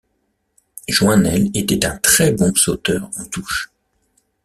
Joinel était un très bon sauteur en touche.